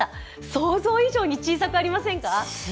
想像以上に小さくありませんか？